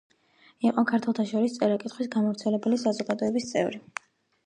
იყო ქართველთა შორის წერა-კითხვის გამავრცელებელი საზოგადოების წევრი.